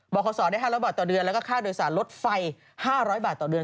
ขอสอได้๕๐๐บาทต่อเดือนแล้วก็ค่าโดยสารรถไฟ๕๐๐บาทต่อเดือน